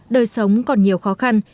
đời sống còn nhiều khó khăn